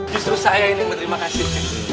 justru saya ini berterima kasih